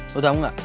lo tau gak